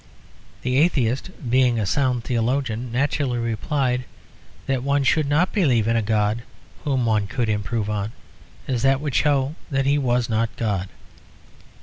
The atheist (being a sound theologian) naturally replied that one should not believe in a God whom one could improve on; as that would show that he was not God.